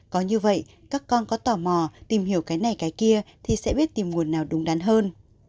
có như vậy các con có tò mò tìm hiểu cái này cái kia thì sẽ biết tìm nguồn nào đúng đắn hơn